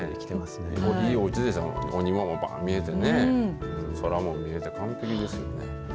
いいおうちですよね、お庭もばーんと見えてね、空も見えて、完璧ですよね。